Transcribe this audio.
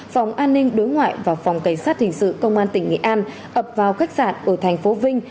phòng an ninh đối ngoại và phòng tài sát hình sự công an tp vinh ập vào khách sạn ở tp vinh